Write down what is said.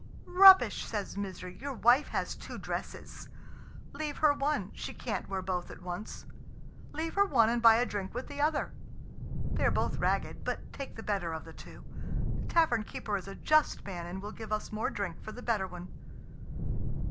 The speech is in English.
"Rubbish!" says Misery; "your wife has two dresses. Leave her one; she can't wear both at once. Leave her one, and buy a drink with the other. They are both ragged, but take the better of the two. The tavern keeper is a just man, and will give us more drink for the better one."